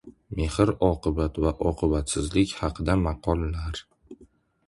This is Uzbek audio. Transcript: Mehr-oqibat va oqibatsizlik haqida maqollar.